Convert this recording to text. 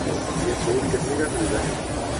یہ سوٹ کتنے کا خریدا ہے؟